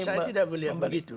saya tidak melihat begitu